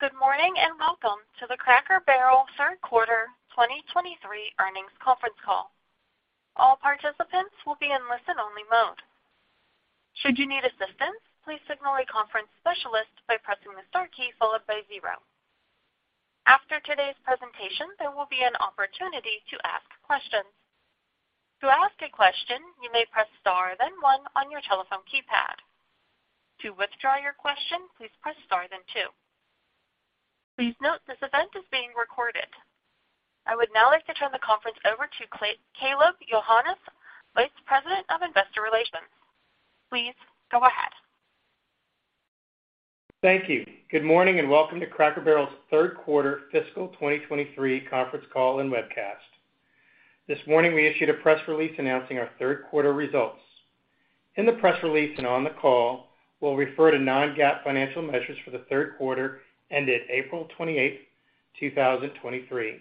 Good morning, welcome to the Cracker Barrel third quarter 2023 earnings conference call. All participants will be in listen-only mode. Should you need assistance, please signal a conference specialist by pressing the star followed by zero. After today's presentation, there will be an opportunity to ask questions. To ask a question, you may press star, then one on your telephone keypad. To withdraw your question, please press star then two. Please note this event is being recorded. I would now like to turn the conference over to Kaleb Johannes, Vice President of Investor Relations. Please go ahead. Thank you. Good morning, and welcome to Cracker Barrel's third quarter fiscal 2023 conference call and webcast. This morning, we issued a press release announcing our third quarter results. In the press release and on the call, we'll refer to non-GAAP financial measures for the third quarter, ended April 28, 2023.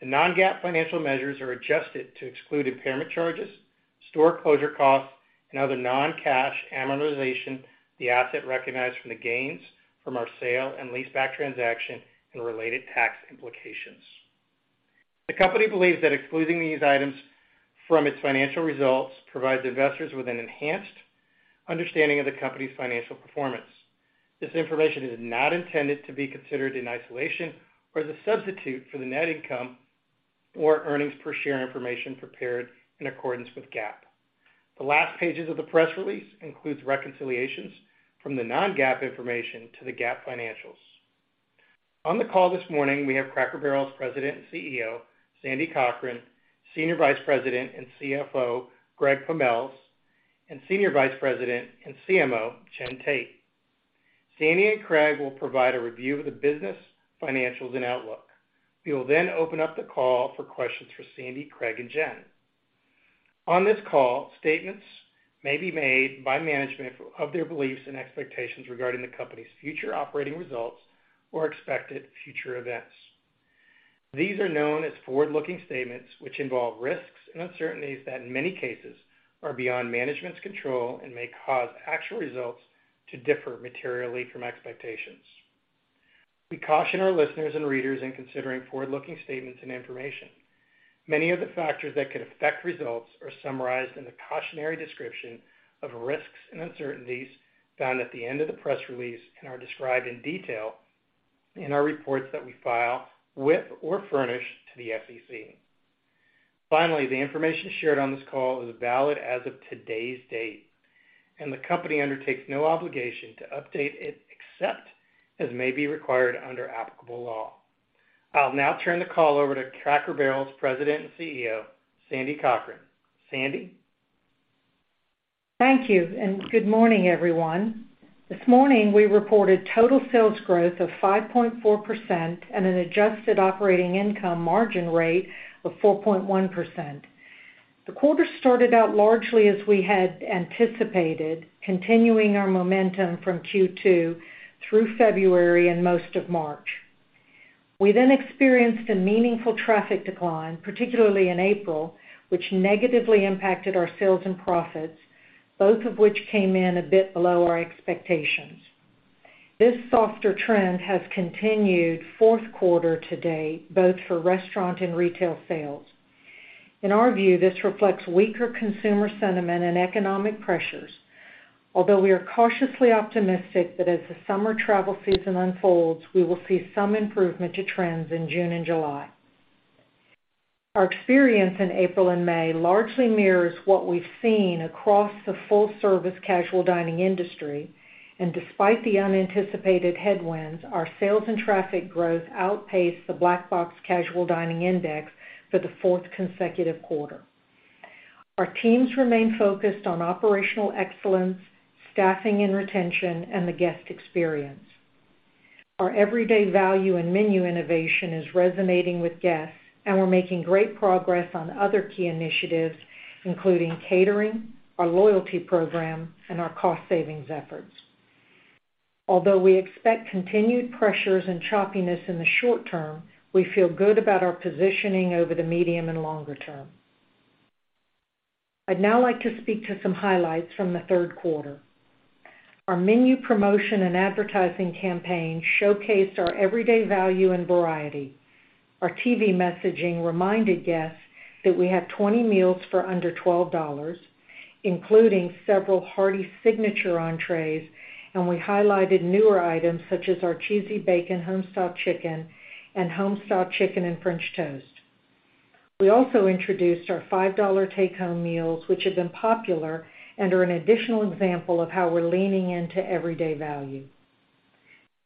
The non-GAAP financial measures are adjusted to exclude impairment charges, store closure costs, and other non-cash amortization, the asset recognized from the gains from our sale and leaseback transaction and related tax implications. The company believes that excluding these items from its financial results provides investors with an enhanced understanding of the company's financial performance. This information is not intended to be considered in isolation or as a substitute for the net income or earnings per share information prepared in accordance with GAAP. The last pages of the press release includes reconciliations from the non-GAAP information to the GAAP financials. On the call this morning, we have Cracker Barrel's President and Chief Executive Officer, Sandy Cochran, Senior Vice President and Chief Financial Officer, Craig Pommells, and Senior Vice President and Chief Marketing Officer, Jennifer Tate. Sandy and Craig will provide a review of the business, financials, and outlook. We will then open up the call for questions for Sandy, Craig, and Jennifer. On this call, statements may be made by management of their beliefs and expectations regarding the company's future operating results or expected future events. These are known as forward-looking statements, which involve risks and uncertainties that, in many cases, are beyond management's control and may cause actual results to differ materially from expectations. We caution our listeners and readers in considering forward-looking statements and information. Many of the factors that could affect results are summarized in the cautionary description of risks and uncertainties found at the end of the press release and are described in detail in our reports that we file, which, or furnish to the SEC. Finally, the information shared on this call is valid as of today's date, and the company undertakes no obligation to update it, except as may be required under applicable law. I'll now turn the call over to Cracker Barrel's President and Chief Executive Officer, Sandy Cochran. Sandy? Thank you, and good morning, everyone. This morning, we reported total sales growth of 5.4% and an adjusted operating income margin rate of 4.1%. The quarter started out largely as we had anticipated, continuing our momentum from Q2 through February and most of March. We then experienced a meaningful traffic decline, particularly in April, which negatively impacted our sales and profits, both of which came in a bit below our expectations. This softer trend has continued fourth quarter to date, both for restaurant and retail sales. In our view, this reflects weaker consumer sentiment and economic pressures. Although we are cautiously optimistic that as the summer travel season unfolds, we will see some improvement to trends in June and July. Our experience in April and May largely mirrors what we've seen across the full-service casual dining industry. Despite the unanticipated headwinds, our sales and traffic growth outpaced the Black Box Casual Dining Index for the fourth consecutive quarter. Our teams remain focused on operational excellence, staffing and retention, and the guest experience. Our everyday value and menu innovation is resonating with guests. We're making great progress on other key initiatives, including catering, our loyalty program, and our cost savings efforts. Although we expect continued pressures and choppiness in the short term, we feel good about our positioning over the medium and longer term. I'd now like to speak to some highlights from the third quarter. Our menu promotion and advertising campaign showcased our everyday value and variety. Our TV messaging reminded guests that we have 20 Meals for Under $12, including several hearty signature entrees, and we highlighted newer items such as our cheesy bacon, Homestyle Chicken, and French Toast. We also introduced our $5 Take Home Meals, which have been popular and are an additional example of how we're leaning into everyday value.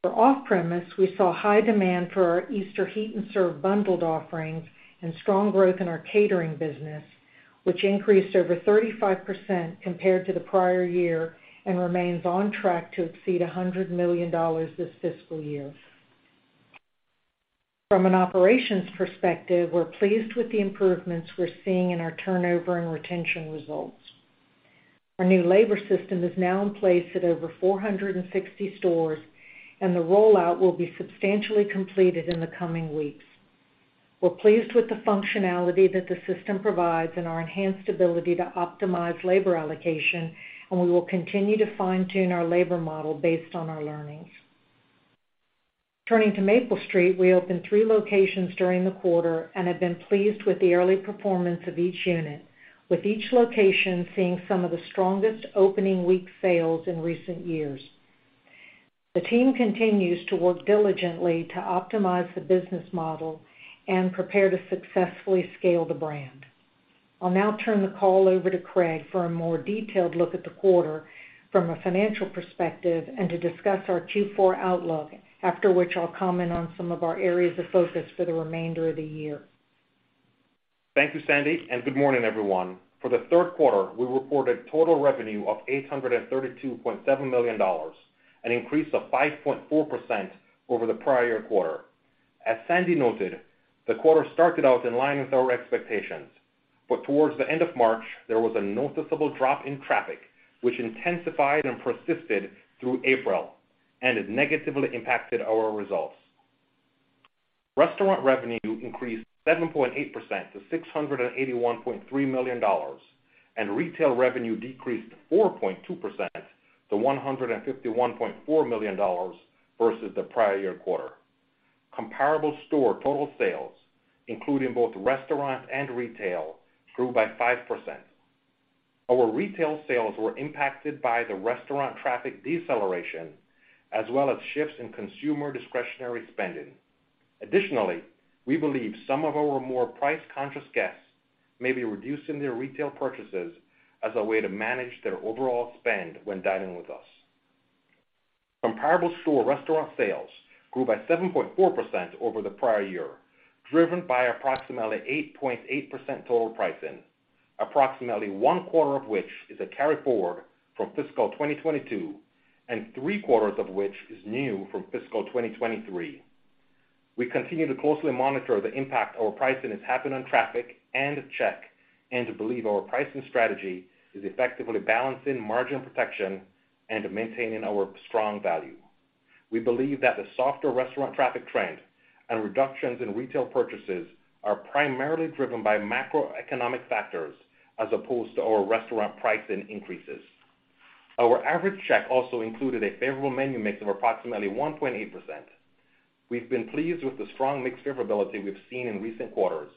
For off-premise, we saw high demand for our Easter Heat n' Serve bundled offerings and strong growth in our catering business, which increased over 35% compared to the prior year and remains on track to exceed $100 million this fiscal year. From an operations perspective, we're pleased with the improvements we're seeing in our turnover and retention results. Our new labor system is now in place at over 460 stores, and the rollout will be substantially completed in the coming weeks. We're pleased with the functionality that the system provides and our enhanced ability to optimize labor allocation, and we will continue to fine-tune our labor model based on our learnings. Turning to Maple Street, we opened three locations during the quarter and have been pleased with the early performance of each unit, with each location seeing some of the strongest opening week sales in recent years. The team continues to work diligently to optimize the business model and prepare to successfully scale the brand. I'll now turn the call over to Craig for a more detailed look at the quarter from a financial perspective and to discuss our Q4 outlook, after which I'll comment on some of our areas of focus for the remainder of the year. Thank you, Sandy. Good morning, everyone. For the third quarter, we reported total revenue of $832.7 million, an increase of 5.4% over the prior quarter. As Sandy noted, the quarter started out in line with our expectations, but towards the end of March, there was a noticeable drop in traffic, which intensified and persisted through April and it negatively impacted our results. Restaurant revenue increased 7.8% to $681.3 million, and retail revenue decreased 4.2% to $151.4 million versus the prior year quarter. Comparable store total sales, including both restaurant and retail, grew by 5%. Our retail sales were impacted by the restaurant traffic deceleration, as well as shifts in consumer discretionary spending. Additionally, we believe some of our more price-conscious guests may be reducing their retail purchases as a way to manage their overall spend when dining with us. Comparable store restaurant sales grew by 7.4% over the prior year, driven by approximately 8.8% total pricing, approximately one quarter of which is a carry forward from fiscal 2022, and three quarters of which is new from fiscal 2023. We continue to closely monitor the impact our pricing is having on traffic and check, and to believe our pricing strategy is effectively balancing margin protection and maintaining our strong value. We believe that the softer restaurant traffic trend and reductions in retail purchases are primarily driven by macroeconomic factors as opposed to our restaurant pricing increases. Our average check also included a favorable menu mix of approximately 1.8%. We've been pleased with the strong mix favorability we've seen in recent quarters,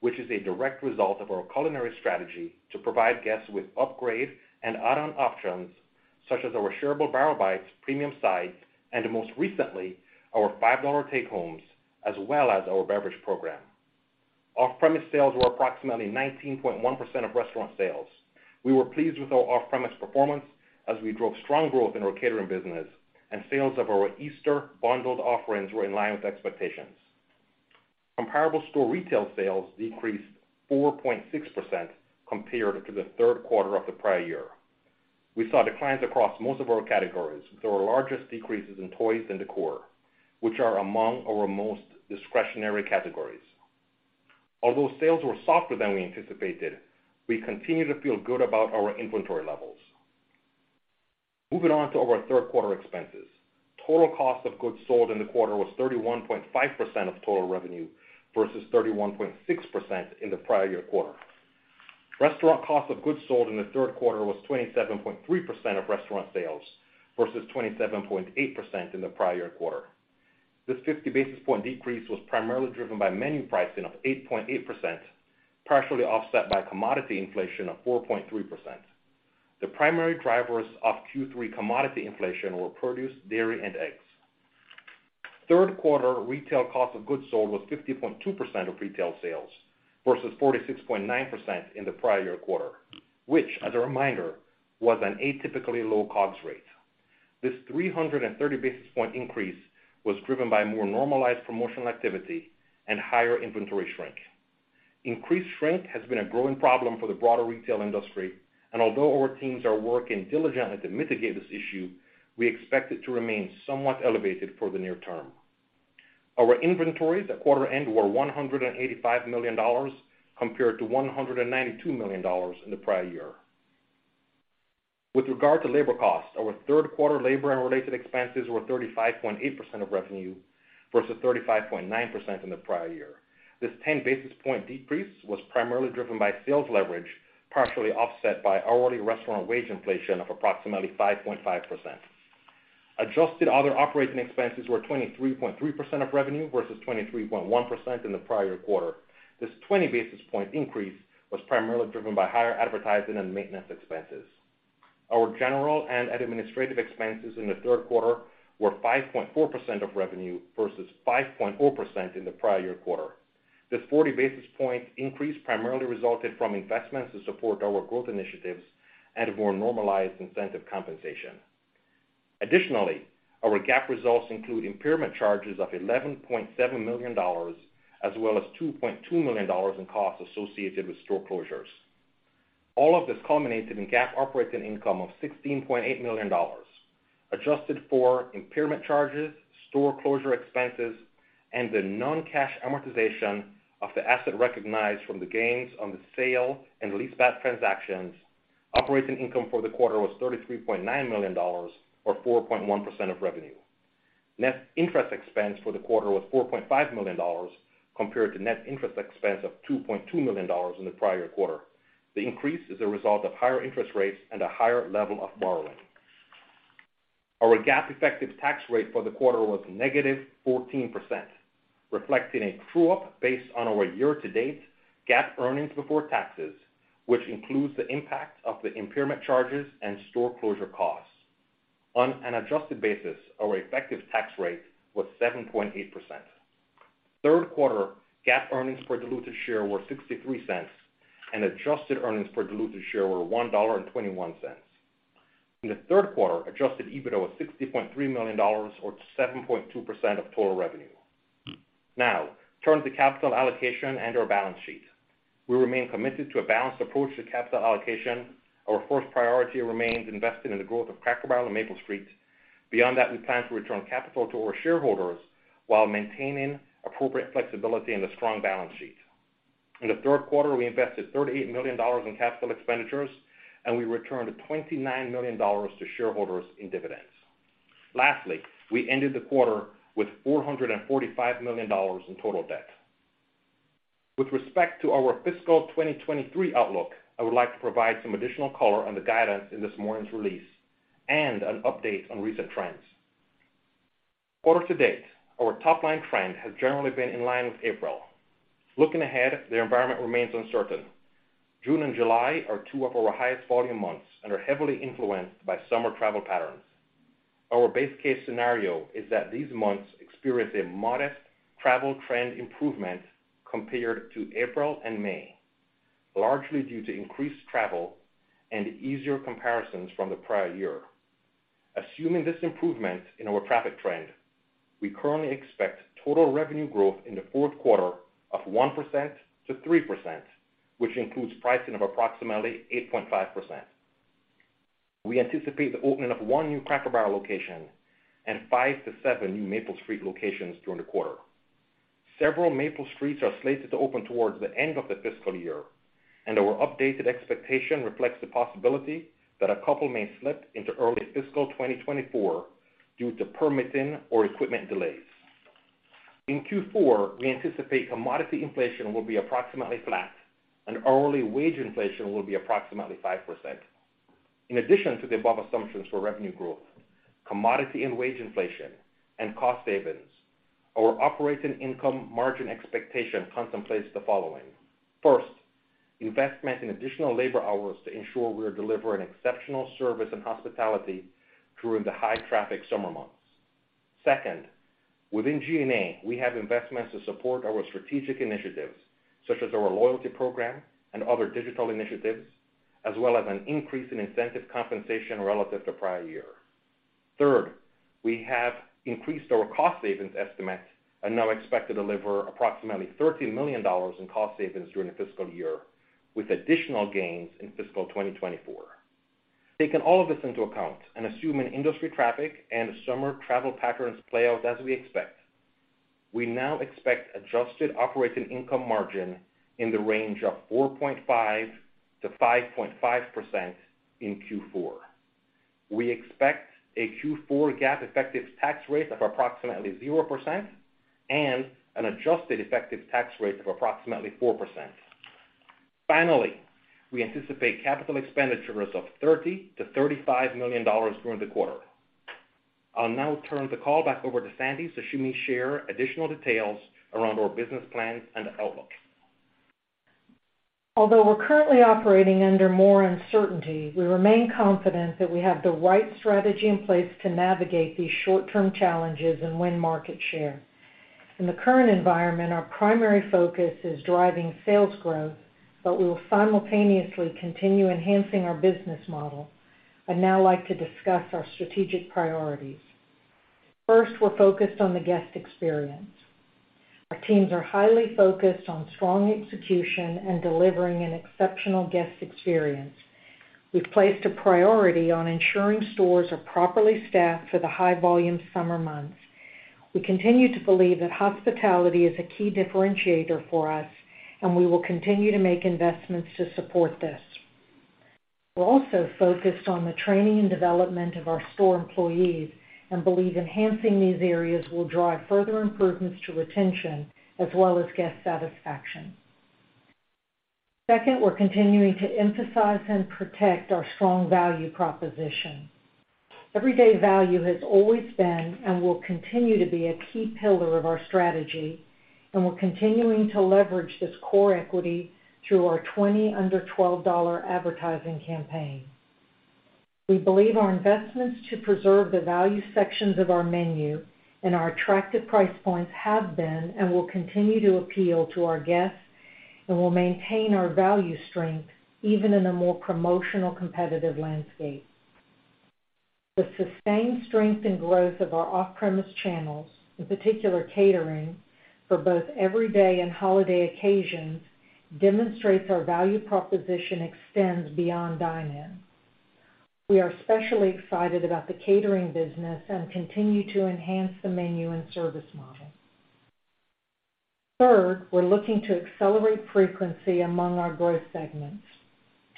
which is a direct result of our culinary strategy to provide guests with upgrade and add-on options such as our shareable Barrel Bites, premium sides, and most recently, our $5 Take-Homes, as well as our beverage program. Off-premise sales were approximately 19.1% of restaurant sales. We were pleased with our off-premise performance as we drove strong growth in our catering business, and sales of our Easter bundled offerings were in line with expectations. Comparable store retail sales decreased 4.6% compared to the third quarter of the prior year. We saw declines across most of our categories, with our largest decreases in toys and decor, which are among our most discretionary categories. Although sales were softer than we anticipated, we continue to feel good about our inventory levels. Moving on to our third quarter expenses. Total cost of goods sold in the quarter was 31.5% of total revenue versus 31.6% in the prior year quarter. Restaurant cost of goods sold in the third quarter was 27.3% of restaurant sales versus 27.8% in the prior year quarter. This 50 basis point decrease was primarily driven by menu pricing of 8.8%, partially offset by commodity inflation of 4.3%. The primary drivers of Q3 commodity inflation were produce, dairy, and eggs. Third quarter retail cost of goods sold was 50.2% of retail sales versus 46.9% in the prior year quarter, which, as a reminder, was an atypically low COGS rate. This 330 basis point increase was driven by more normalized promotional activity and higher inventory shrink. Increased shrink has been a growing problem for the broader retail industry, and although our teams are working diligently to mitigate this issue, we expect it to remain somewhat elevated for the near term. Our inventories at quarter end were $185 million, compared to $192 million in the prior year. With regard to labor costs, our third quarter labor and related expenses were 35.8% of revenue versus 35.9% in the prior year. This 10 basis point decrease was primarily driven by sales leverage, partially offset by hourly restaurant wage inflation of approximately 5.5%. Adjusted other operating expenses were 23.3% of revenue versus 23.1% in the prior quarter. This 20 basis point increase was primarily driven by higher advertising and maintenance expenses. Our general and administrative expenses in the third quarter were 5.4% of revenue versus 5.4% in the prior-year quarter. This 40 basis point increase primarily resulted from investments to support our growth initiatives and more normalized incentive compensation. Additionally, our GAAP results include impairment charges of $11.7 million, as well as $2.2 million in costs associated with store closures. All of this culminated in GAAP operating income of $16.8 million, adjusted for impairment charges, store closure expenses, and the non-cash amortization of the asset recognized from the gains on the sale and leaseback transactions. Operating income for the quarter was $33.9 million, or 4.1% of revenue. Net interest expense for the quarter was $4.5 million, compared to net interest expense of $2.2 million in the prior quarter. The increase is a result of higher interest rates and a higher level of borrowing. Our GAAP effective tax rate for the quarter was -14%, reflecting a true-up based on our year-to-date GAAP earnings before taxes, which includes the impact of the impairment charges and store closure costs. On an adjusted basis, our effective tax rate was 7.8%. 3rd quarter GAAP earnings per diluted share were $0.63, and adjusted earnings per diluted share were $1.21. In the 3rd quarter, adjusted EBITDA was $60.3 million, or 7.2% of total revenue. Turning to capital allocation and our balance sheet. We remain committed to a balanced approach to capital allocation. Our first priority remains investing in the growth of Cracker Barrel and Maple Street. Beyond that, we plan to return capital to our shareholders while maintaining appropriate flexibility and a strong balance sheet. In the third quarter, we invested $38 million in capital expenditures, and we returned $29 million to shareholders in dividends. Lastly, we ended the quarter with $445 million in total debt. With respect to our fiscal 2023 outlook, I would like to provide some additional color on the guidance in this morning's release and an update on recent trends. Quarter to date, our top-line trend has generally been in line with April. Looking ahead, the environment remains uncertain. June and July are two of our highest volume months and are heavily influenced by summer travel patterns. Our base case scenario is that these months experience a modest travel trend improvement compared to April and May, largely due to increased travel and easier comparisons from the prior year. Assuming this improvement in our traffic trend, we currently expect total revenue growth in the fourth quarter of 1%-3%, which includes pricing of approximately 8.5%. We anticipate the opening of one new Cracker Barrel location and five to seven new Maple Street locations during the quarter. Several Maple Streets are slated to open towards the end of the fiscal year, and our updated expectation reflects the possibility that a couple may slip into early fiscal 2024 due to permitting or equipment delays. In Q4, we anticipate commodity inflation will be approximately flat, and hourly wage inflation will be approximately 5%. In addition to the above assumptions for revenue growth, commodity and wage inflation, and cost savings, our operating income margin expectation contemplates the following: First, investment in additional labor hours to ensure we are delivering exceptional service and hospitality during the high traffic summer months. Second, within G&A, we have investments to support our strategic initiatives, such as our loyalty program and other digital initiatives, as well as an increase in incentive compensation relative to prior year. Third, we have increased our cost savings estimate and now expect to deliver approximately $13 million in cost savings during the fiscal year, with additional gains in fiscal 2024. Taking all of this into account and assuming industry traffic and summer travel patterns play out as we expect, we now expect adjusted operating income margin in the range of 4.5%-5.5% in Q4. We expect a Q4 GAAP effective tax rate of approximately 0% and an adjusted effective tax rate of approximately 4%. Finally, we anticipate capital expenditures of $30 million-$35 million during the quarter. I'll now turn the call back over to Sandy, so she may share additional details around our business plans and outlook. Although we're currently operating under more uncertainty, we remain confident that we have the right strategy in place to navigate these short-term challenges and win market share. In the current environment, our primary focus is driving sales growth. We will simultaneously continue enhancing our business model. I'd now like to discuss our strategic priorities. First, we're focused on the guest experience. Our teams are highly focused on strong execution and delivering an exceptional guest experience. We've placed a priority on ensuring stores are properly staffed for the high-volume summer months. We continue to believe that hospitality is a key differentiator for us. We will continue to make investments to support this. We're also focused on the training and development of our store employees and believe enhancing these areas will drive further improvements to retention as well as guest satisfaction. Second, we're continuing to emphasize and protect our strong value proposition. Everyday value has always been and will continue to be a key pillar of our strategy. We're continuing to leverage this core equity through our 20 under $12 advertising campaign. We believe our investments to preserve the value sections of our menu and our attractive price points have been and will continue to appeal to our guests and will maintain our value strength, even in a more promotional, competitive landscape. The sustained strength and growth of our off-premise channels, in particular catering, for both everyday and holiday occasions, demonstrates our value proposition extends beyond dine-in. We are especially excited about the catering business and continue to enhance the menu and service model. Third, we're looking to accelerate frequency among our growth segments.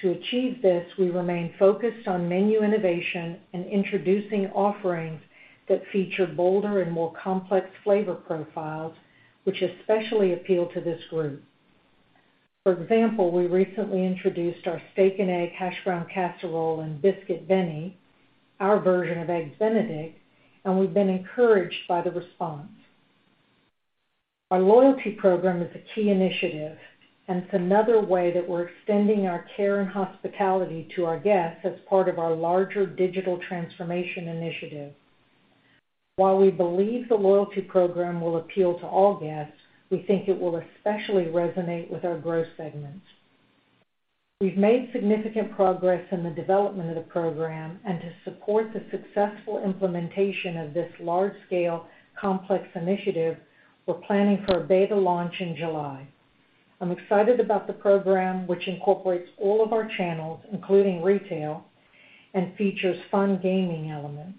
To achieve this, we remain focused on menu innovation and introducing offerings that feature bolder and more complex flavor profiles, which especially appeal to this group. For example, we recently introduced our Steak n' Egg Hashbrown Casserole and Biscuit Benny, our version of Eggs Benedict, and we've been encouraged by the response. Our loyalty program is a key initiative, and it's another way that we're extending our care and hospitality to our guests as part of our larger digital transformation initiative. While we believe the loyalty program will appeal to all guests, we think it will especially resonate with our growth segments. We've made significant progress in the development of the program, and to support the successful implementation of this large-scale, complex initiative, we're planning for a beta launch in July. I'm excited about the program, which incorporates all of our channels, including retail and features, fun gaming elements.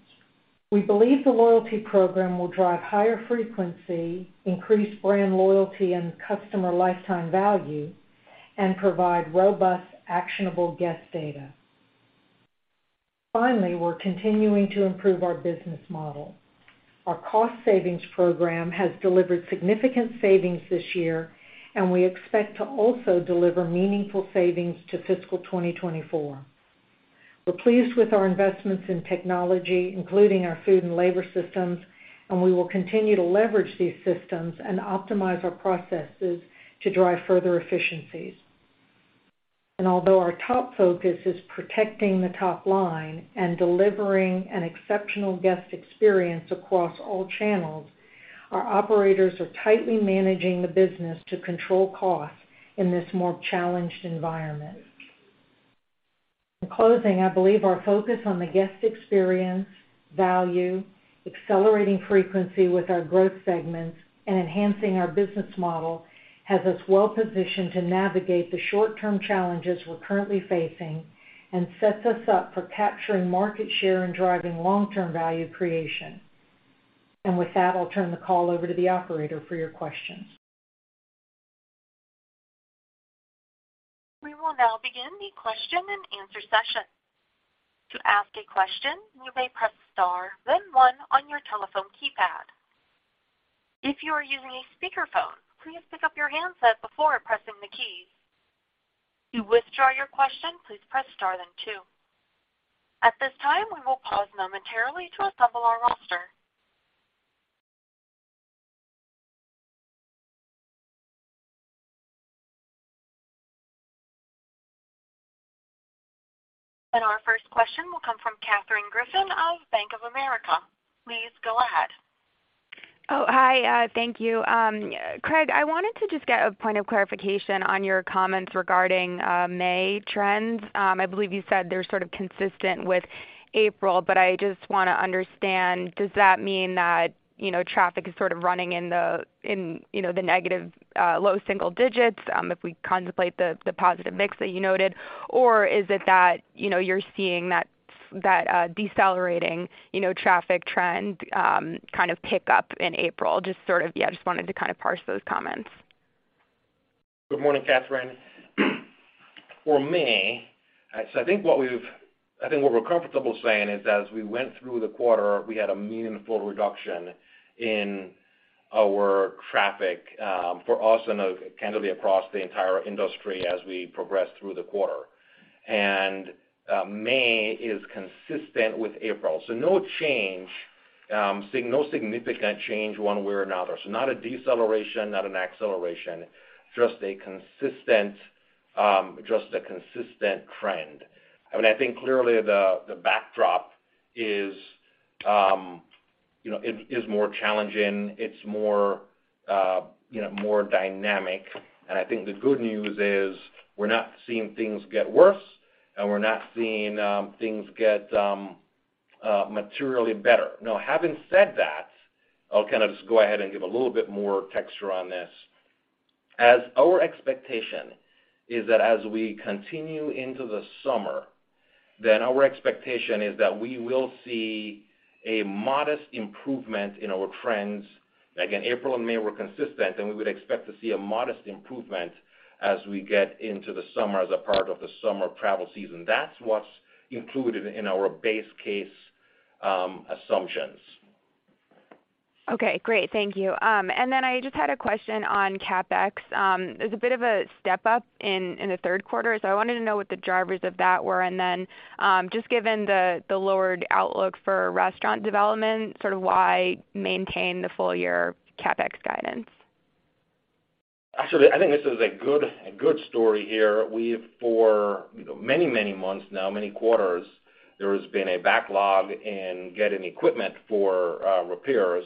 We believe the loyalty program will drive higher frequency, increase brand loyalty and customer lifetime value, and provide robust, actionable guest data. Finally, we're continuing to improve our business model. Our cost savings program has delivered significant savings this year, and we expect to also deliver meaningful savings to fiscal 2024. We're pleased with our investments in technology, including our food and labor systems, and we will continue to leverage these systems and optimize our processes to drive further efficiencies. Although our top focus is protecting the top line and delivering an exceptional guest experience across all channels, our operators are tightly managing the business to control costs in this more challenged environment. In closing, I believe our focus on the guest experience, value, accelerating frequency with our growth segments, and enhancing our business model has us well positioned to navigate the short-term challenges we're currently facing and sets us up for capturing market share and driving long-term value creation. With that, I'll turn the call over to the operator for your questions. We will now begin the question and answer session. To ask a question, you may press star, then one on your telephone keypad. If you are using a speakerphone, please pick up your handset before pressing the keys. To withdraw your question, please press star then two. At this time, we will pause momentarily to assemble our roster. Our first question will come from Katherine Griffin of Bank of America. Please go ahead. Hi, thank you. Craig, I wanted to just get a point of clarification on your comments regarding May trends. I believe you said they're sort of consistent with April, but I just wanna understand, does that mean that, you know, traffic is sort of running in the, you know, the negative low single digits, if we contemplate the positive mix that you noted, or is it that, you know, you're seeing that decelerating, you know, traffic trend kind of pick up in April? Yeah, just wanted to kind of parse those comments. Good morning, Katherine. For May, I think what we're comfortable saying is as we went through the quarter, we had a meaningful reduction in our traffic for us and candidly, across the entire industry as we progressed through the quarter. May is consistent with April, no change, no significant change one way or another. Not a deceleration, not an acceleration, just a consistent trend. I mean, I think clearly the backdrop is, you know, it is more challenging, it's more, you know, more dynamic. I think the good news is we're not seeing things get worse, and we're not seeing things get materially better. Now, having said that, I'll kind of just go ahead and give a little bit more texture on this. As our expectation is that as we continue into the summer, then our expectation is that we will see a modest improvement in our trends. Again, April and May were consistent, and we would expect to see a modest improvement as we get into the summer as a part of the summer travel season. That's what's included in our base case, assumptions. Okay, great. Thank you. I just had a question on CapEx. There's a bit of a step up in the third quarter, so I wanted to know what the drivers of that were, and then, just given the lowered outlook for restaurant development, sort of why maintain the full year CapEx guidance? Actually, I think this is a good story here. We've for, you know, many months now, many quarters, there has been a backlog in getting equipment for repairs.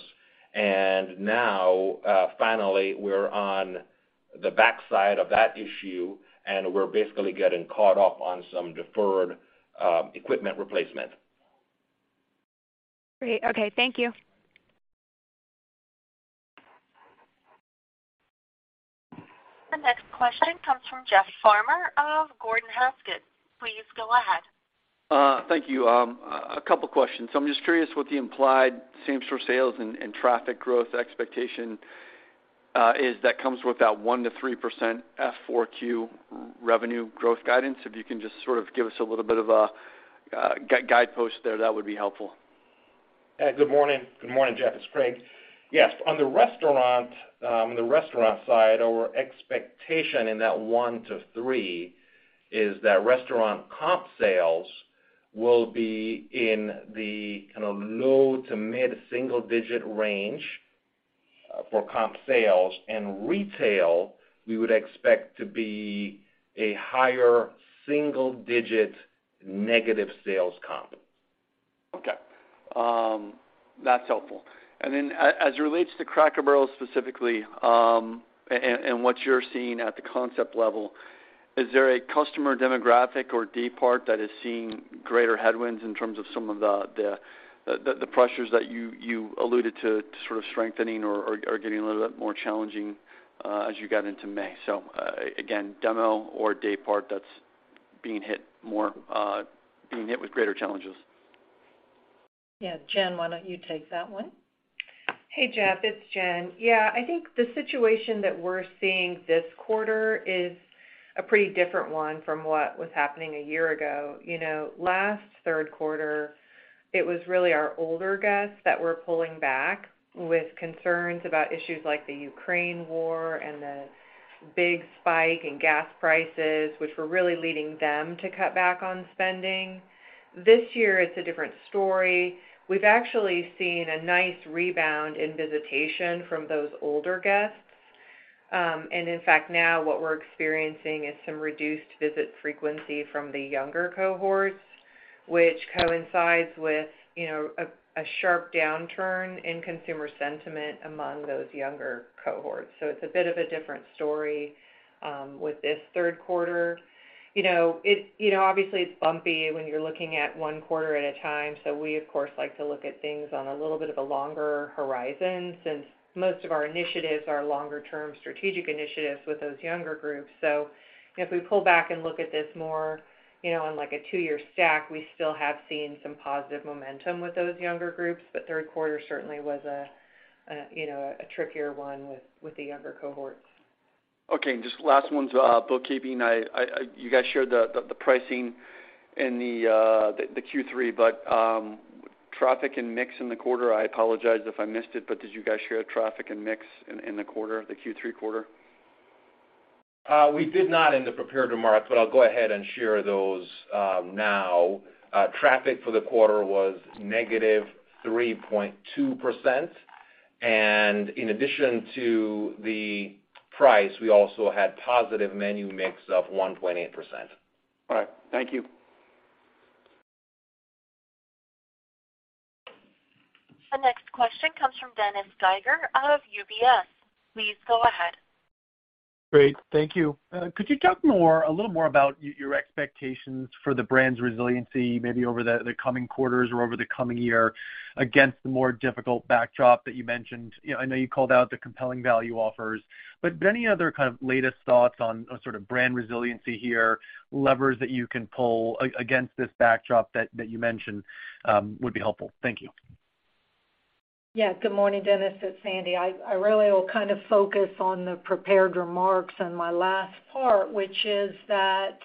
Now, finally, we're on the backside of that issue, and we're basically getting caught up on some deferred equipment replacement. Great. Okay. Thank you. The next question comes from Jeffrey Farmer of Gordon Haskett Research Advisors. Please go ahead. Thank you. A couple questions. I'm just curious what the implied same-store sales and traffic growth expectation is that comes with that 1%-3% fourth quarter revenue growth guidance. If you can just sort of give us a little bit of a guidepost there, that would be helpful. Good morning. Good morning, Jeff, it's Craig. On the restaurant side, our expectation in that 1%-3% is that restaurant comp sales will be in the kind of low to mid-single-digit % range for comp sales. Retail, we would expect to be a higher single-digit % negative sales comp. Okay. That's helpful. As it relates to Cracker Barrel specifically, and what you're seeing at the concept level, is there a customer demographic or daypart that is seeing greater headwinds in terms of some of the pressures that you alluded to sort of strengthening or getting a little bit more challenging, as you got into May? Again, demo or daypart that's being hit more, being hit with greater challenges. Yeah. Jen, why don't you take that one? Hey, Jeff, it's Jen. Yeah, I think the situation that we're seeing this quarter is a pretty different one from what was happening a year ago. You know, last third quarter, it was really our older guests that were pulling back with concerns about issues like the Ukraine war and the big spike in gas prices, which were really leading them to cut back on spending. This year, it's a different story. We've actually seen a nice rebound in visitation from those older guests. In fact, now what we're experiencing is some reduced visit frequency from the younger cohorts, which coincides with, you know, a sharp downturn in consumer sentiment among those younger cohorts. It's a bit of a different story with this third quarter. You know, obviously, it's bumpy when you're looking at one quarter at a time. We, of course, like to look at things on a little bit of a longer horizon since most of our initiatives are longer term strategic initiatives with those younger groups. If we pull back and look at this more, you know, on like a two-year stack, we still have seen some positive momentum with those younger groups. Third quarter certainly was a, you know, a trickier one with the younger cohorts. Okay, just last one's bookkeeping. You guys shared the pricing in the Q3. Traffic and mix in the quarter, I apologize if I missed it. Did you guys share traffic and mix in the quarter, the Q3 quarter? We did not in the prepared remarks, but I'll go ahead and share those now. Traffic for the quarter was negative 3.2%, and in addition to the price, we also had positive menu mix of 1.8%. All right. Thank you. The next question comes from Dennis Geiger of UBS. Please go ahead. Great. Thank you. Could you talk more, a little more about your expectations for the brand's resiliency, maybe over the coming quarters or over the coming year, against the more difficult backdrop that you mentioned? You know, I know you called out the compelling value offers, any other kind of latest thoughts on sort of brand resiliency here, levers that you can pull against this backdrop that you mentioned, would be helpful. Thank you. Yeah. Good morning, Dennis, it's Sandy. I really will kind of focus on the prepared remarks in my last part, which is that,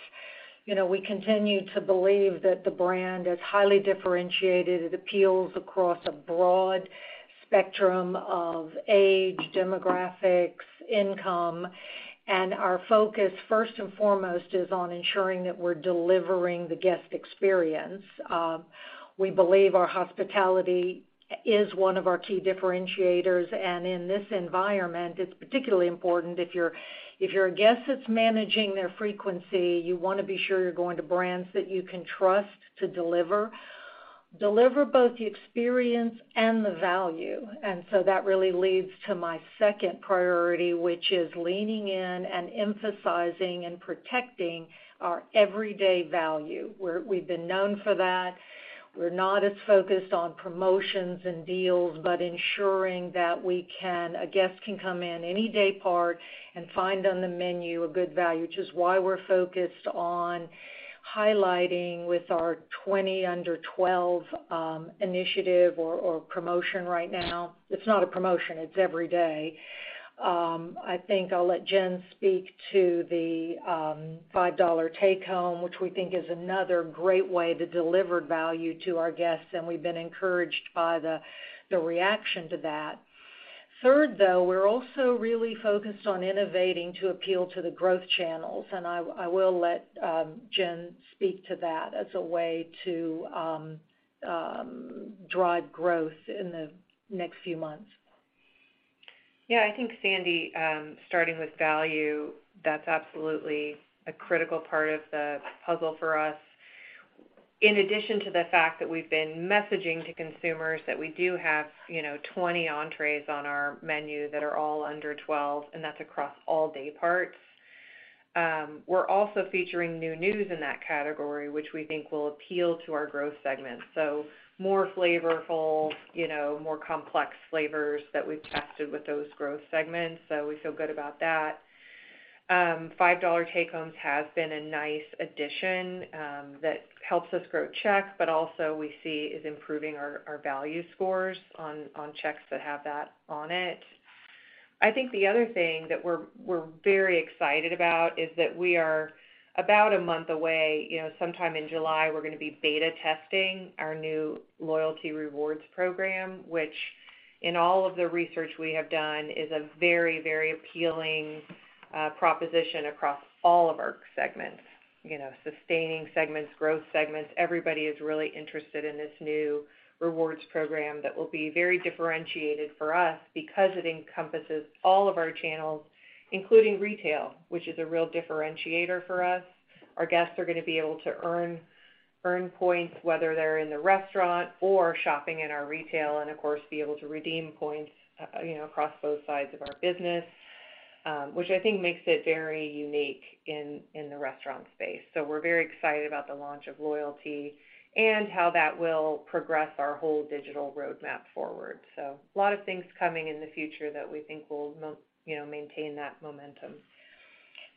you know, we continue to believe that the brand is highly differentiated. It appeals across a broad spectrum of age, demographics, income, and our focus, first and foremost, is on ensuring that we're delivering the guest experience. We believe our hospitality is one of our key differentiators, and in this environment, it's particularly important if you're a guest that's managing their frequency, you wanna be sure you're going to brands that you can trust to deliver. Deliver both the experience and the value. That really leads to my second priority, which is leaning in and emphasizing and protecting our everyday value. We've been known for that. We're not as focused on promotions and deals, but ensuring that we can... A guest can come in any daypart and find on the menu a good value, which is why we're focused on highlighting with our 20 under $12 initiative or promotion right now. It's not a promotion, it's every day. I think I'll let Jen speak to the $5 Take Home, which we think is another great way to deliver value to our guests, and we've been encouraged by the reaction to that. Third, though, we're also really focused on innovating to appeal to the growth channels, and I will let Jen speak to that as a way to drive growth in the next few months. Yeah, I think, Sandy, starting with value, that's absolutely a critical part of the puzzle for us. In addition to the fact that we've been messaging to consumers that we do have, you know, 20 entrees on our menu that are all under $12, and that's across all day parts. We're also featuring new news in that category, which we think will appeal to our growth segment. More flavorful, you know, more complex flavors that we've tested with those growth segments, so we feel good about that. $5 Take Home Meals has been a nice addition that helps us grow check, but also we see is improving our value scores on checks that have that on it. I think the other thing that we're very excited about is that we are about a month away, you know, sometime in July, we're gonna be beta testing our new loyalty rewards program, which in all of the research we have done, is a very appealing proposition across all of our segments. You know, sustaining segments, growth segments, everybody is really interested in this new rewards program that will be very differentiated for us because it encompasses all of our channels, including retail, which is a real differentiator for us. Our guests are gonna be able to earn points, whether they're in the restaurant or shopping in our retail, and of course, be able to redeem points, you know, across both sides of our business, which I think makes it very unique in the restaurant space. We're very excited about the launch of loyalty and how that will progress our whole digital roadmap forward. A lot of things coming in the future that we think will, you know, maintain that momentum.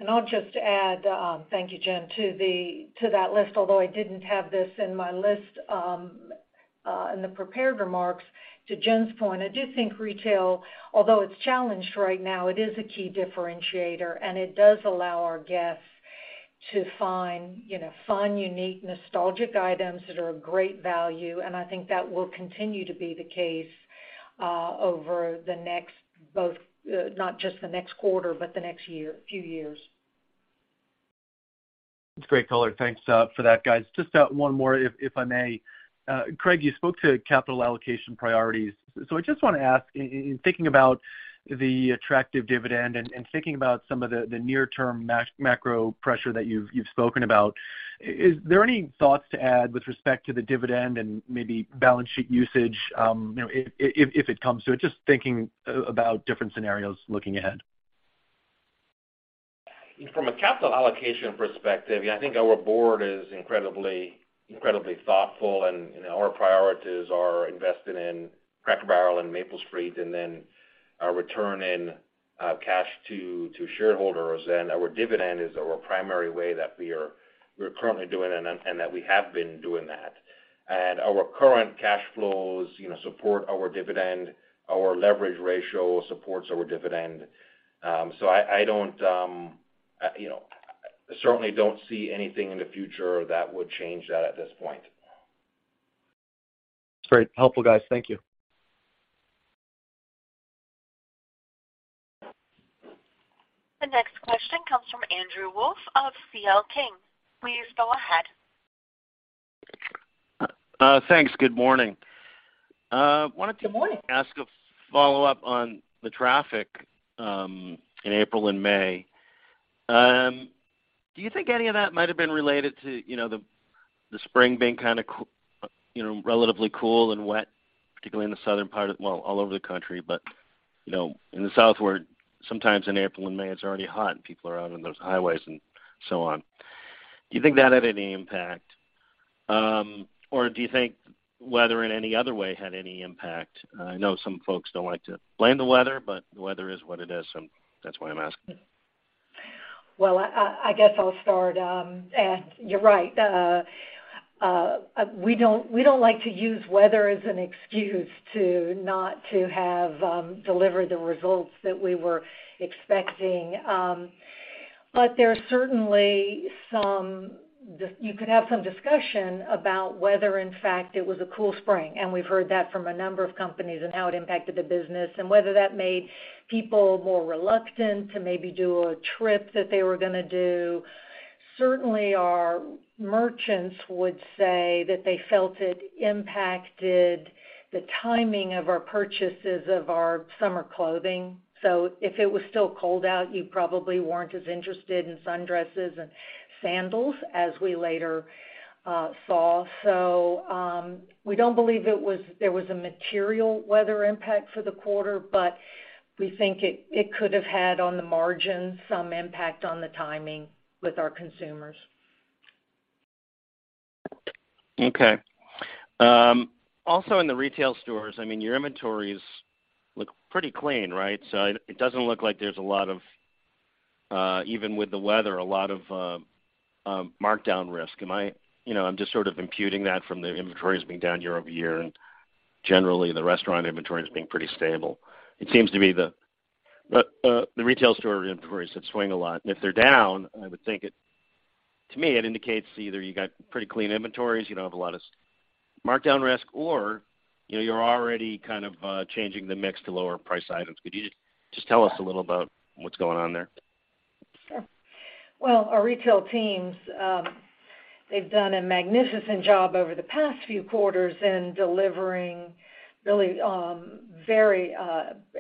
I'll just add, thank you, Jen, to that list, although I didn't have this in my list, in the prepared remarks. To Jen's point, I do think retail, although it's challenged right now, it is a key differentiator, and it does allow our guests to find, you know, fun, unique, nostalgic items that are of great value. I think that will continue to be the case, over the next, both, not just the next quarter, but the next year, few years. That's great color. Thanks, for that, guys. Just, one more, if I may. Craig, you spoke to capital allocation priorities. I just wanna ask, in thinking about the attractive dividend and thinking about some of the near-term macro pressure that you've spoken about, is there any thoughts to add with respect to the dividend and maybe balance sheet usage, you know, if it comes to it? Just thinking about different scenarios looking ahead. From a capital allocation perspective, yeah, I think our board is incredibly thoughtful, and, you know, our priorities are invested in Cracker Barrel and Maple Street, and then our return in cash to shareholders. Our dividend is our primary way that we're currently doing and that we have been doing that. Our current cash flows, you know, support our dividend, our leverage ratio supports our dividend. I don't, you know, certainly don't see anything in the future that would change that at this point. Great. Helpful, guys. Thank you. The next question comes from Andrew Wolf of C.L. King. Please go ahead. Thanks. Good morning. Good morning. Ask a follow-up on the traffic in April and May. Do you think any of that might have been related to, you know, the spring being kind of you know, relatively cool and wet, particularly in the southern part, well, all over the country? You know, in the southward, sometimes in April and May, it's already hot, and people are out on those highways and so on. Do you think that had any impact, or do you think weather in any other way had any impact? I know some folks don't like to blame the weather, the weather is what it is, so that's why I'm asking. Well, I guess I'll start. You're right, we don't like to use weather as an excuse to not to have delivered the results that we were expecting. There are certainly some. You could have some discussion about whether, in fact, it was a cool spring, and we've heard that from a number of companies, and how it impacted the business and whether that made people more reluctant to maybe do a trip that they were gonna do. Certainly, our merchants would say that they felt it impacted the timing of our purchases of our summer clothing. If it was still cold out, you probably weren't as interested in sundresses and sandals as we later saw. We don't believe there was a material weather impact for the quarter, but we think it could have had, on the margin, some impact on the timing with our consumers. Okay. also in the retail stores, I mean, your inventories look pretty clean, right? It doesn't look like there's a lot of, even with the weather, a lot of markdown risk. you know, I'm just sort of imputing that from the inventories being down year-over-year, generally, the restaurant inventory is being pretty stable. It seems to be the retail store inventories have swing a lot, and if they're down, I would think it, to me, it indicates either you got pretty clean inventories, you don't have a lot of markdown risk, or, you know, you're already kind of changing the mix to lower price items. Could you just tell us a little about what's going on there? Sure. Well, our retail teams, they've done a magnificent job over the past few quarters in delivering really very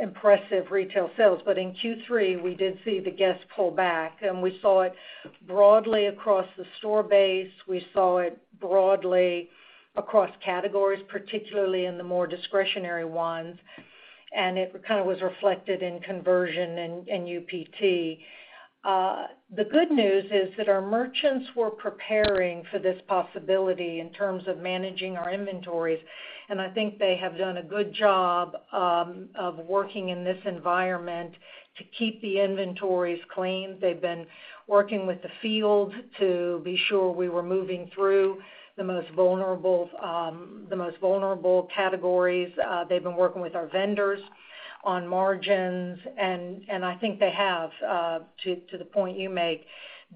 impressive retail sales. In Q3, we did see the guests pull back. We saw it broadly across the store base. We saw it broadly across categories, particularly in the more discretionary ones. It kind of was reflected in conversion and UPT. The good news is that our merchants were preparing for this possibility in terms of managing our inventories. I think they have done a good job of working in this environment to keep the inventories clean. They've been working with the field to be sure we were moving through the most vulnerable categories. They've been working with our vendors on margins, and I think they have, to the point you make,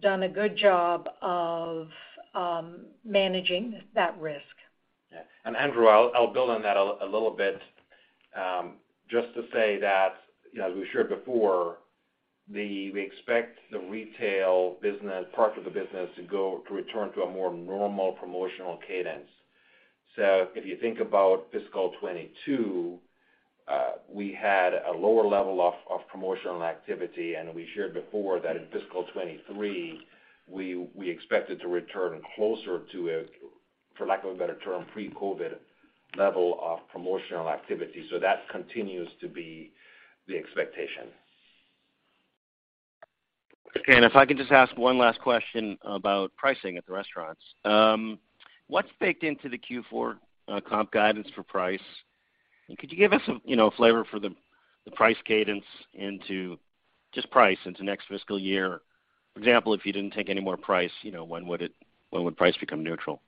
done a good job of managing that risk. Andrew, I'll build on that a little bit, just to say that, as we shared before, we expect the retail business, part of the business to return to a more normal promotional cadence. If you think about fiscal 2022, we had a lower level of promotional activity, and we shared before that in fiscal 2023, we expected to return closer to a, for lack of a better term, pre-COVID level of promotional activity. That continues to be the expectation. Okay. If I could just ask one last question about pricing at the restaurants. What's baked into the Q4 comp guidance for price? Could you give us, you know, a flavor for the price cadence into... Just price into next fiscal year? For example, if you didn't take any more price, you know, when would price become neutral?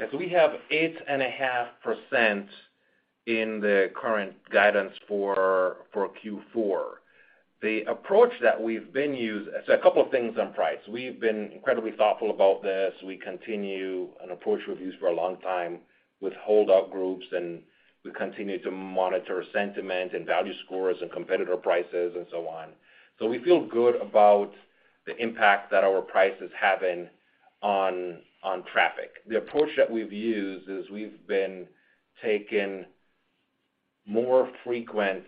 Yeah, we have 8.5% in the current guidance for Q4. The approach that we've been used. A couple of things on price. We've been incredibly thoughtful about this. We continue an approach we've used for a long time with holdout groups, and we continue to monitor sentiment and value scores and competitor prices and so on. We feel good about the impact that our prices have on traffic. The approach that we've used is we've been taking more frequent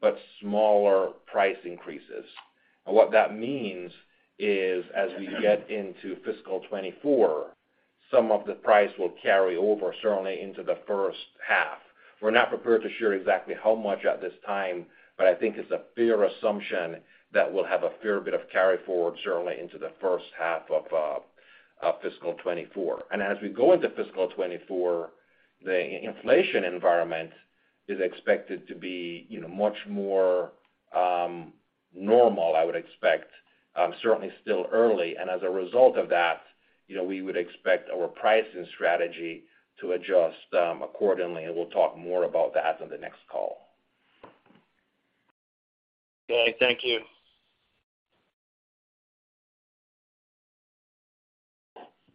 but smaller price increases. What that means is, as we get into fiscal 2024, some of the price will carry over, certainly into the first half. We're not prepared to share exactly how much at this time, but I think it's a fair assumption that we'll have a fair bit of carry forward, certainly into the first half of fiscal 2024. As we go into fiscal 2024, the inflation environment is expected to be, you know, much more normal, I would expect. Certainly still early. As a result of that, you know, we would expect our pricing strategy to adjust accordingly, and we'll talk more about that on the next call. Okay, thank you.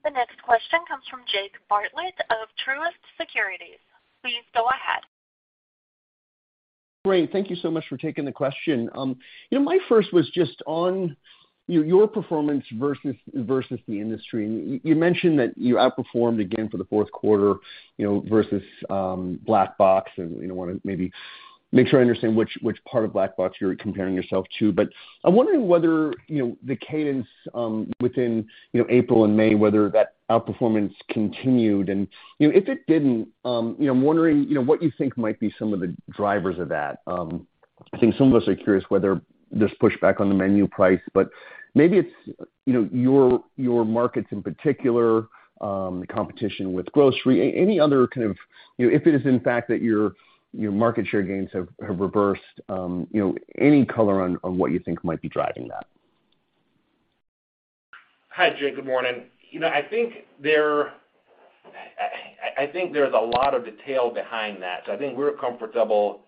The next question comes from Jake Bartlett of Truist Securities. Please go ahead. Great. Thank you so much for taking the question. You know, my first was just on, you know, your performance versus the industry. You mentioned that you outperformed again for the fourth quarter, you know, versus Black Box, and I wanna maybe make sure I understand which part of Black Box you're comparing yourself to. I'm wondering whether, you know, the cadence within, you know, April and May, whether that outperformance continued? If it didn't, you know, I'm wondering, you know, what you think might be some of the drivers of that? I think some of us are curious whether there's pushback on the menu price, but maybe it's, you know, your markets in particular, the competition with grocery. Any other kind. You know, if it is in fact that your market share gains have reversed, you know, any color on what you think might be driving that? Hi, Jake. Good morning. You know, I think there's a lot of detail behind that. I think we're comfortable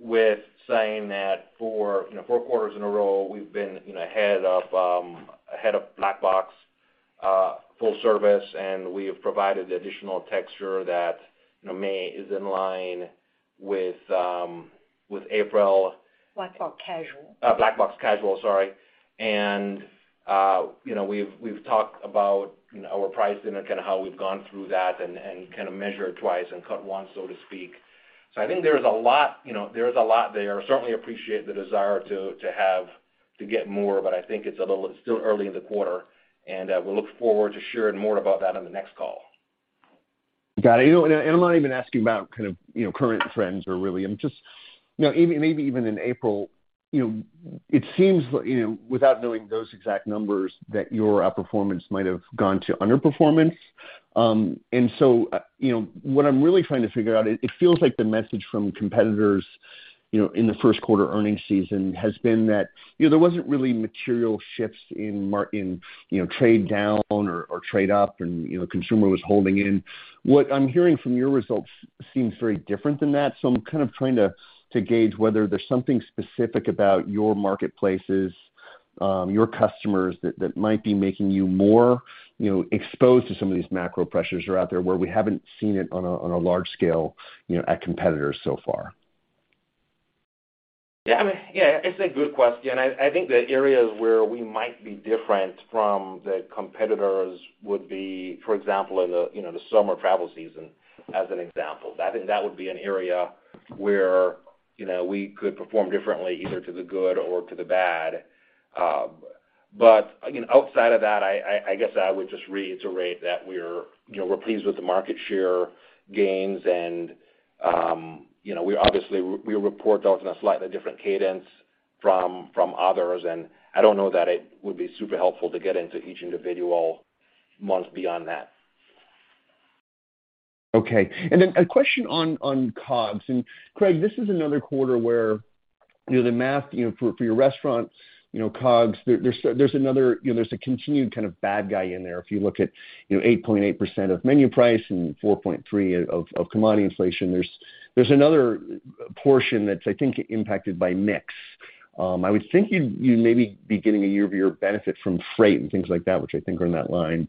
with saying that for, you know, four quarters in a row, we've been, you know, ahead of Black Box full service, and we have provided the additional texture that, you know, May is in line with April. Black Box Casual. Black Box Casual, sorry. You know, we've talked about, you know, our price dinner, kind of how we've gone through that and kind of measured twice and cut once, so to speak. I think there's a lot, you know, there's a lot there. Certainly appreciate the desire to have, to get more, but I think it's a little still early in the quarter, and we look forward to sharing more about that on the next call. Got it. You know, and I'm not even asking about kind of, you know, current trends or really, I'm just, you know, maybe even in April, you know, it seems, you know, without knowing those exact numbers, that your outperformance might have gone to underperformance. So, you know, what I'm really trying to figure out, it feels like the message from competitors, you know, in the first quarter earnings season has been that, you know, there wasn't really material shifts in in, you know, trade down or trade up, and, you know, consumer was holding in. What I'm hearing from your results seems very different than that. I'm kind of trying to gauge whether there's something specific about your marketplaces, your customers, that might be making you more, you know, exposed to some of these macro pressures that are out there, where we haven't seen it on a large scale, you know, at competitors so far. Yeah, I mean, Yeah, it's a good question, and I think the areas where we might be different from the competitors would be, for example, in the, you know, the summer travel season, as an example. That would be an area where, you know, we could perform differently, either to the good or to the bad. Again, outside of that, I guess I would just reiterate that we're, you know, we're pleased with the market share gains, and, you know, we obviously, we report those in a slightly different cadence from others, and I don't know that it would be super helpful to get into each individual month beyond that. Then a question on COGS. Craig, this is another quarter where, you know, the math, you know, for your restaurants, you know, COGS, there's another, you know, there's a continued kind of bad guy in there. If you look at, you know, 8.8% of menu price and 4.3% of commodity inflation, there's another portion that's, I think, impacted by mix. I would think you'd maybe be getting a year-over-year benefit from freight and things like that, which I think are in that line.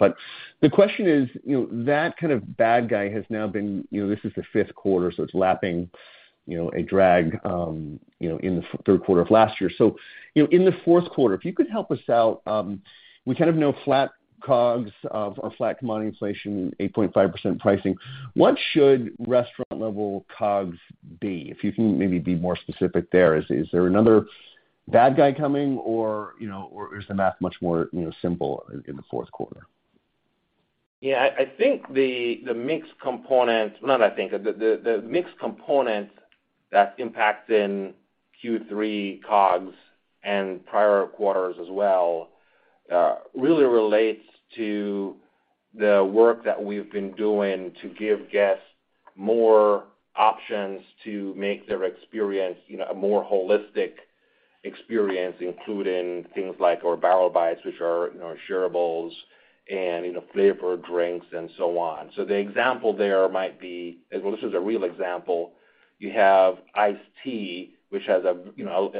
The question is, you know, that kind of bad guy has now been, you know, this is the fifth quarter, so it's lapping, you know, a drag, you know, in the third quarter of last year. You know, in the fourth quarter, if you could help us out, we kind of know flat COGS of, or flat commodity inflation, 8.5% pricing. What should restaurant-level COGS be? If you can maybe be more specific there. Is there another bad guy coming, or, you know, or is the math much more, you know, simple in the fourth quarter? I think the mix component that's impacting Q3 COGS and prior quarters as well, really relates to the work that we've been doing to give guests more options to make their experience, you know, a more holistic experience, including things like our Barrel Bites, which are, you know, shareables and, you know, flavored drinks and so on. The example there might be, well, this is a real example: You have iced tea, which has a, you know,